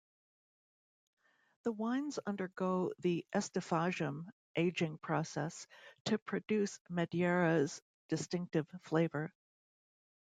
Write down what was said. The wines undergo the "estufagem" aging process to produce Madeira's distinctive flavor.